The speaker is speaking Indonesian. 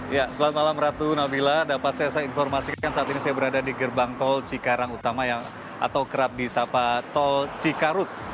ya selamat malam ratu nabila dapat saya informasikan saat ini saya berada di gerbang tol cikarang utama atau kerap disapa tol cikarut